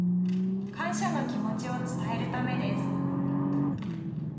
感謝の気持ちを伝えるためです。